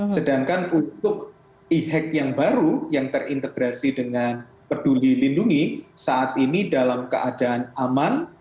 sedangkan untuk e hack yang baru yang terintegrasi dengan peduli lindungi saat ini dalam keadaan aman